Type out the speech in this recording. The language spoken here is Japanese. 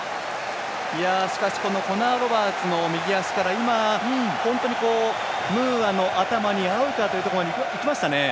しかしコナー・ロバーツの右足から本当にムーアの頭に合うかというところまでいきましたね。